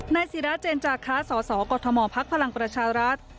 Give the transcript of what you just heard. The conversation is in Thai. ในสิราเจนจากค้าสสกภพลังประชารัฐ